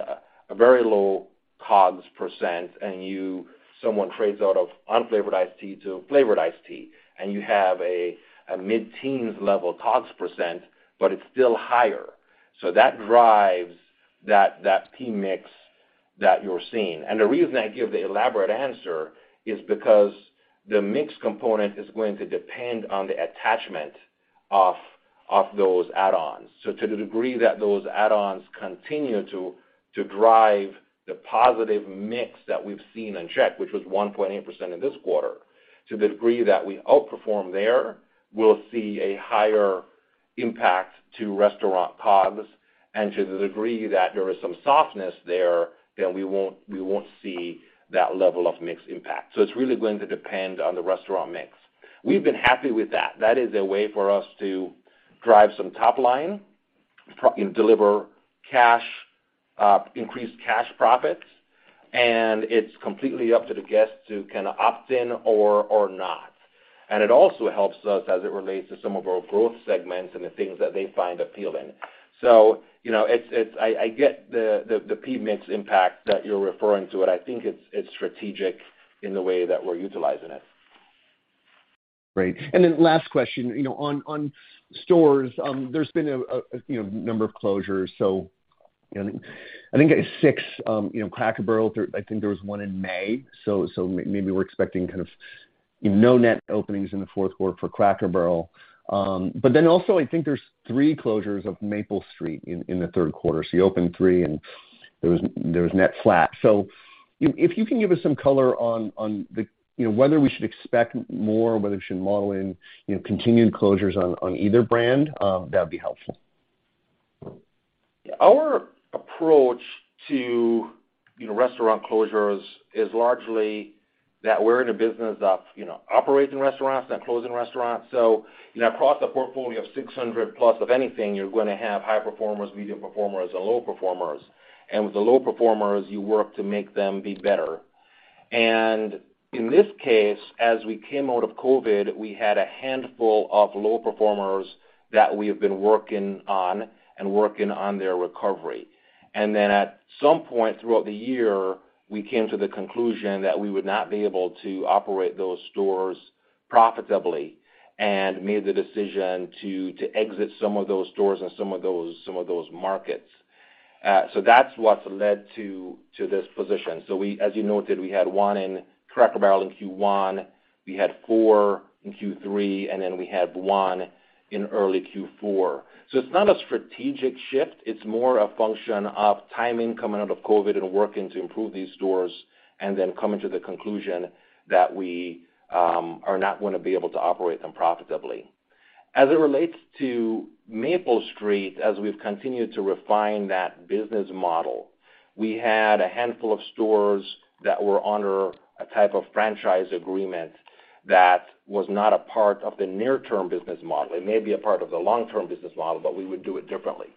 a very low COGS %, and someone trades out of unflavored iced tea to flavored iced tea, and you have a mid-teens level COGS %, but it's still higher. That drives that Product Mix that you're seeing. The reason I give the elaborate answer is because the mix component is going to depend on the attachment of those add-ons. To the degree that those add-ons continue to drive the positive mix that we've seen in check, which was 1.8% in this quarter, to the degree that we outperform there, we'll see a higher impact to restaurant COGS, and to the degree that there is some softness there, then we won't see that level of mix impact. It's really going to depend on the restaurant mix. We've been happy with that. That is a way for us to drive some top line, pro-- you know, deliver cash, increased cash profits, and it's completely up to the guests to kind of opt in or not. It also helps us as it relates to some of our growth segments and the things that they find appealing. You know, I get the Product Mix impact that you're referring to, but I think it's strategic in the way that we're utilizing it. Great. Last question, you know, on stores, there's been a, you know, number of closures, so I think it's 6, you know, Cracker Barrel. I think there was 1 in May, so maybe we're expecting kind of, you know, no net openings in the fourth quarter for Cracker Barrel. Also, I think there's 3 closures of Maple Street in the third quarter. You opened 3, and there was net flat. If you can give us some color on the, you know, whether we should expect more, whether we should model in, you know, continued closures on either brand, that would be helpful. Our approach to, you know, restaurant closures is largely that we're in a business of, you know, operating restaurants and closing restaurants. You know, across the portfolio of 600+ of anything, you're going to have high performers, medium performers, and low performers. With the low performers, you work to make them be better. In this case, as we came out of COVID, we had a handful of low performers that we have been working on and working on their recovery. At some point throughout the year, we came to the conclusion that we would not be able to operate those stores profitably and made the decision to exit some of those stores and some of those markets. That's what's led to this position. We as you noted, we had one in Cracker Barrel in Q1, we had four in Q3, then we had one in early Q4. It's not a strategic shift, it's more a function of timing coming out of COVID and working to improve these stores, then coming to the conclusion that we are not going to be able to operate them profitably. As it relates to Maple Street, as we've continued to refine that business model, we had a handful of stores that were under a type of franchise agreement that was not a part of the near-term business model. It may be a part of the long-term business model, we would do it differently.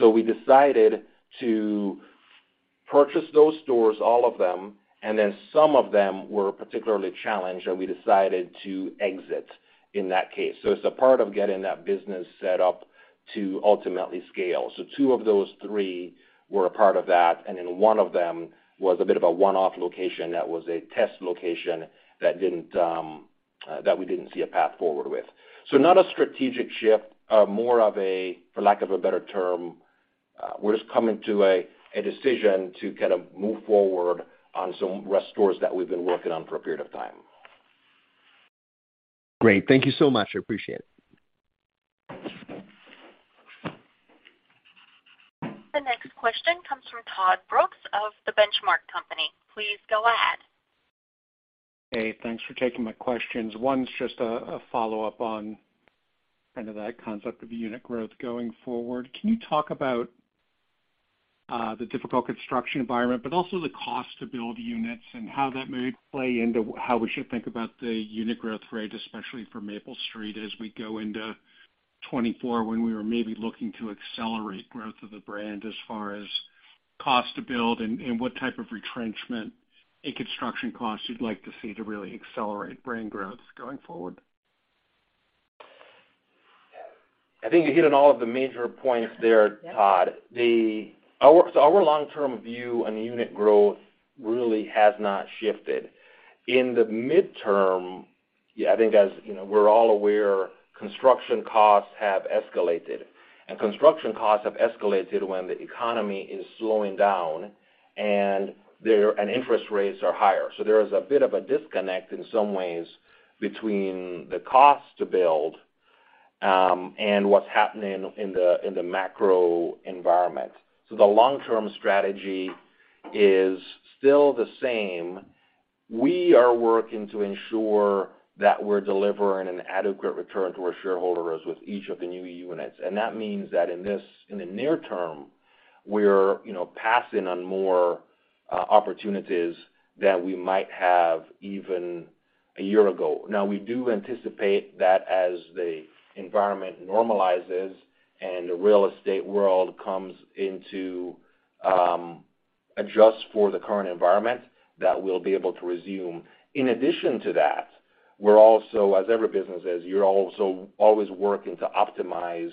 We decided to purchase those stores, all of them, then some of them were particularly challenged, we decided to exit in that case. It's a part of getting that business set up to ultimately scale. 2 of those 3 were a part of that, and then 1 of them was a bit of a one-off location that was a test location that didn't that we didn't see a path forward with. Not a strategic shift, more of a, for lack of a better term, we're just coming to a decision to kind of move forward on some restaurants that we've been working on for a period of time. Great. Thank you so much. I appreciate it. The next question comes from Todd Brooks of The Benchmark Company. Please go ahead. Hey, thanks for taking my questions. One is just a follow-up on kind of that concept of unit growth going forward. Can you talk about the difficult construction environment, but also the cost to build units and how that may play into how we should think about the unit growth rate, especially for Maple Street, as we go into 2024, when we were maybe looking to accelerate growth of the brand as far as cost to build and what type of retrenchment in construction costs you'd like to see to really accelerate brand growth going forward? I think you hit on all of the major points there, Todd. Yeah. Our long-term view on unit growth really has not shifted. In the midterm, I think as, you know, we're all aware, construction costs have escalated, and construction costs have escalated when the economy is slowing down, and interest rates are higher. There is a bit of a disconnect in some ways between the cost to build, and what's happening in the macro environment. The long-term strategy is still the same. We are working to ensure that we're delivering an adequate return to our shareholders with each of the new units. That means that in this, in the near term, we're, you know, passing on more opportunities than we might have even a year ago. We do anticipate that as the environment normalizes and the real estate world comes into, adjust for the current environment, that we'll be able to resume. In addition to that, we're also, as every business is, you're also always working to optimize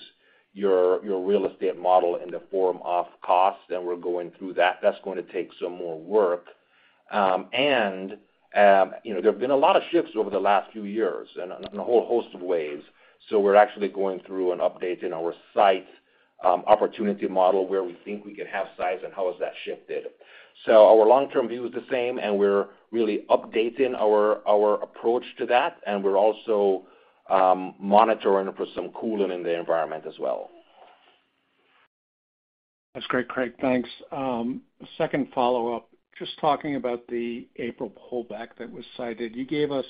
your real estate model in the form of costs, and we're going through that. That's going to take some more work. You know, there have been a lot of shifts over the last few years in a whole host of ways. We're actually going through an update in our site, opportunity model, where we think we can have sites and how has that shifted? Our long-term view is the same, and we're really updating our approach to that, and we're also, monitoring for some cooling in the environment as well. That's great, Craig. Thanks. Second follow-up, just talking about the April pullback that was cited. You gave us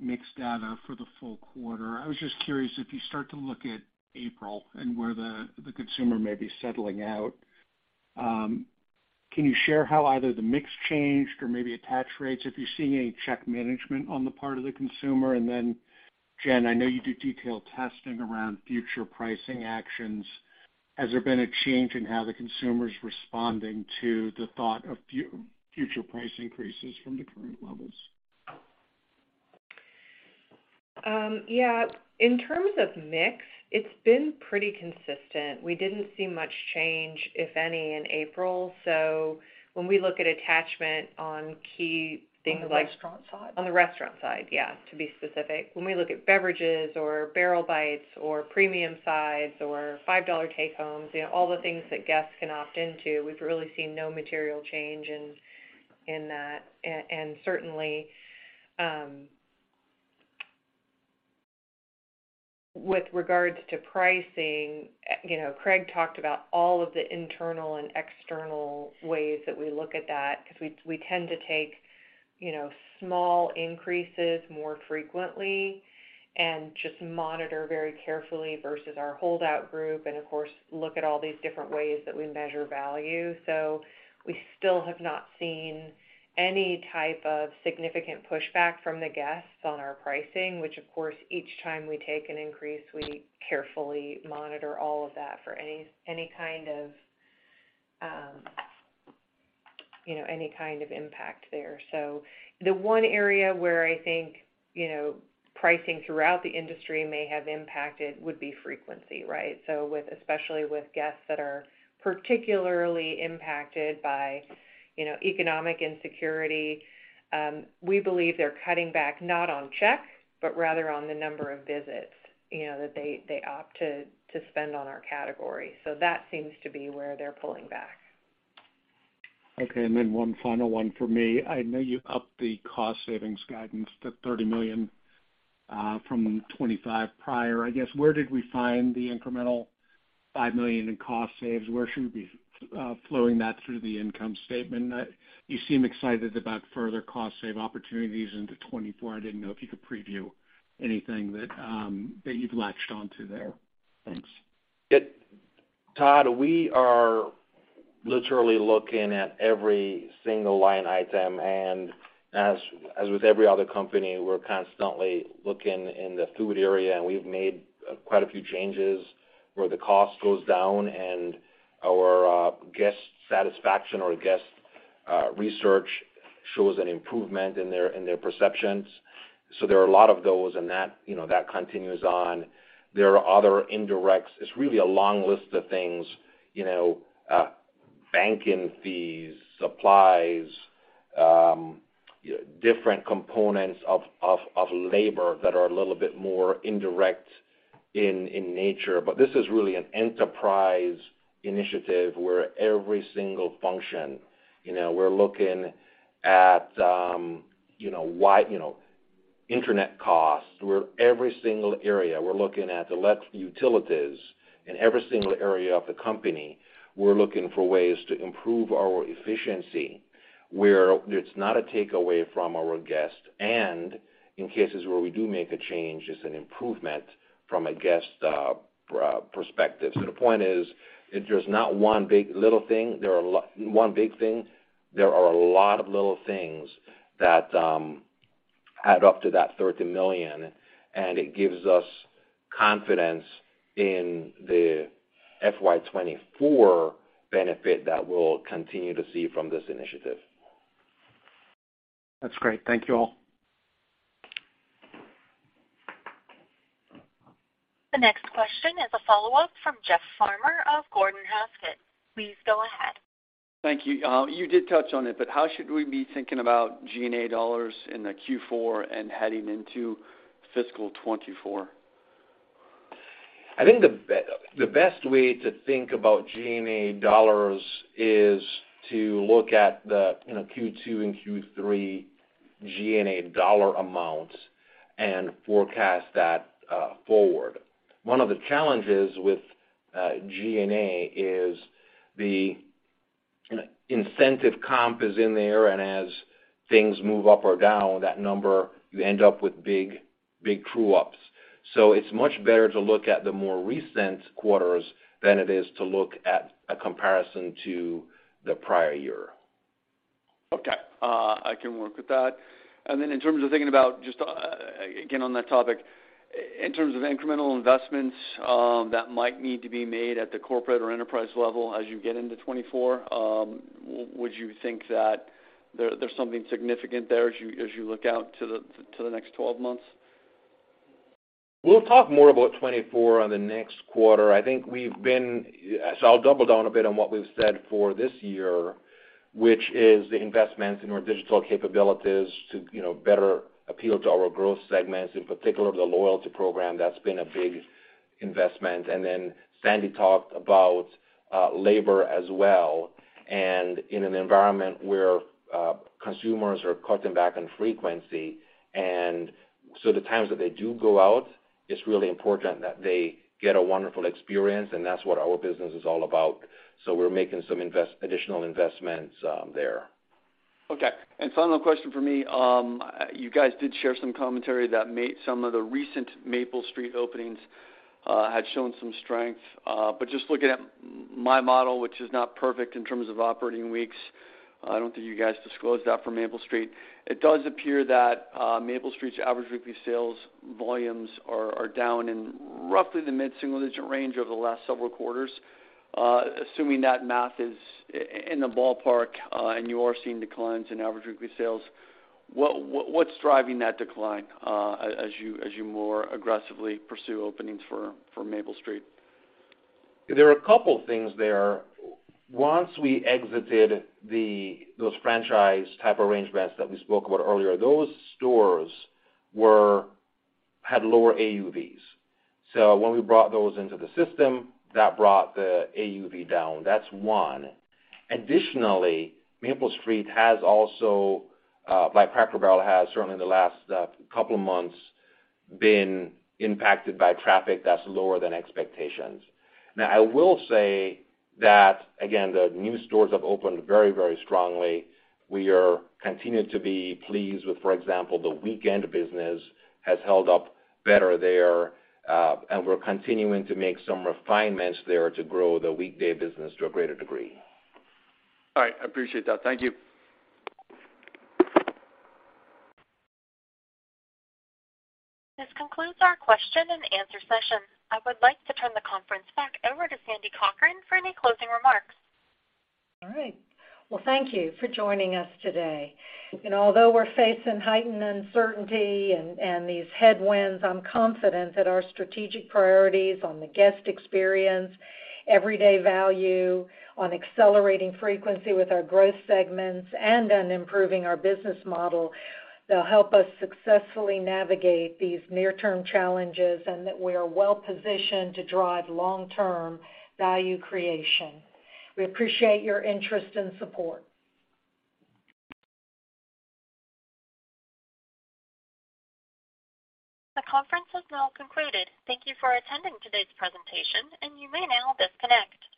mixed data for the full quarter. I was just curious, if you start to look at April and where the consumer may be settling out, can you share how either the mix changed or maybe attach rates, if you're seeing any check management on the part of the consumer? Jen, I know you do detailed testing around future pricing actions. Has there been a change in how the consumer is responding to the thought of future price increases from the current levels? Yeah. In terms of mix, it's been pretty consistent. We didn't see much change, if any, in April. When we look at attachment on key things like... On the restaurant side? On the restaurant side, yeah, to be specific. When we look at beverages or Barrel Bites or premium sides or $5 take homes, you know, all the things that guests can opt into, we've really seen no material change in that. Certainly, with regards to pricing, you know, Craig talked about all of the internal and external ways that we look at that, because we tend to take, you know, small increases more frequently and just monitor very carefully versus our holdout group, and of course, look at all these different ways that we measure value. We still have not seen any type of significant pushback from the guests on our pricing, which, of course, each time we take an increase, we carefully monitor all of that for any kind of, you know, any kind of impact there. The one area where I think, you know, pricing throughout the industry may have impacted would be frequency, right? With, especially with guests that are particularly impacted by, you know, economic insecurity, we believe they're cutting back not on checks, but rather on the number of visits, you know, that they opt to spend on our category. That seems to be where they're pulling back. Okay, one final one for me. I know you upped the cost savings guidance to $30 million from $25 prior. I guess, where did we find the incremental $5 million in cost saves? Where should we be flowing that through the income statement? You seem excited about further cost save opportunities into 2024. I didn't know if you could preview anything that you've latched on to there. Thanks. Todd, we are literally looking at every single line item, as with every other company, we're constantly looking in the food area, and we've made quite a few changes where the cost goes down and our guest satisfaction or guest research shows an improvement in their perceptions. There are a lot of those, and that, you know, that continues on. There are other indirects. It's really a long list of things, you know, banking fees, supplies, different components of labor that are a little bit more indirect in nature. This is really an enterprise initiative where every single function, you know, we're looking at Internet costs, every single area, we're looking at the less utilities. In every single area of the company, we're looking for ways to improve our efficiency, where it's not a takeaway from our guests, and in cases where we do make a change, it's an improvement from a guest perspective. The point is, it's just not one big little thing. One big thing. There are a lot of little things that add up to that $30 million, and it gives us confidence in the FY 2024 benefit that we'll continue to see from this initiative. That's great. Thank you all. The next question is a follow-up from Jeff Farmer of Gordon Haskett. Please go ahead. Thank you. You did touch on it, how should we be thinking about G&A dollars in the Q4 and heading into fiscal 2024? I think the best way to think about G&A dollars is to look at the, you know, Q2 and Q3 G&A dollar amounts and forecast that forward. One of the challenges with G&A is the incentive comp is in there, and as things move up or down, that number, you end up with big true ups. It's much better to look at the more recent quarters than it is to look at a comparison to the prior year. Okay, I can work with that. In terms of thinking about just, again, on that topic, in terms of incremental investments, that might need to be made at the corporate or enterprise level as you get into 2024, would you think that there's something significant there as you, as you look out to the, to the next 12 months? We'll talk more about 2024 on the next quarter. I'll double down a bit on what we've said for this year, which is the investments in our digital capabilities to, you know, better appeal to our growth segments, in particular, the loyalty program. That's been a big investment. Sandy talked about labor as well, and in an environment where consumers are cutting back on frequency, and so the times that they do go out, it's really important that they get a wonderful experience, and that's what our business is all about. We're making some additional investments there. Final question for me. You guys did share some commentary that made some of the recent Maple Street openings had shown some strength. Just looking at my model, which is not perfect in terms of operating weeks, I don't think you guys disclosed that for Maple Street. It does appear that Maple Street's average weekly sales volumes are down in roughly the mid-single-digit range over the last several quarters. Assuming that math is in the ballpark, and you are seeing declines in average weekly sales, what's driving that decline as you more aggressively pursue openings for Maple Street? There are a couple of things there. Once we exited those franchise type arrangements that we spoke about earlier, those stores had lower AUVs. When we brought those into the system, that brought the AUV down. That's one. Additionally, Maple Street has also, like Cracker Barrel, has certainly in the last couple of months, been impacted by traffic that's lower than expectations. I will say that, again, the new stores have opened very, very strongly. We are continued to be pleased with, for example, the weekend business has held up better there, and we're continuing to make some refinements there to grow the weekday business to a greater degree. All right, I appreciate that. Thank you. This concludes our question and answer session. I would like to turn the conference back over to Sandy Cochran for any closing remarks. All right. Well, thank you for joining us today. Although we're facing heightened uncertainty and these headwinds, I'm confident that our strategic priorities on the guest experience, everyday value, on accelerating frequency with our growth segments, and on improving our business model, they'll help us successfully navigate these near-term challenges and that we are well-positioned to drive long-term value creation. We appreciate your interest and support. The conference has now concluded. Thank you for attending today's presentation, and you may now disconnect.